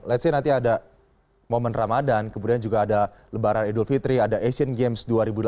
let's say nanti ada momen ramadhan kemudian juga ada lebaran idul fitri ada asian games dua ribu delapan belas